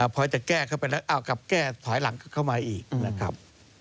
พอจะแก้เข้าไปแล้วอ้าวกลับแก้ถอยหลังเข้ามาอีกนะครับ